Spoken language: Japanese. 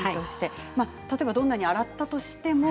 どんなに洗ったとしても？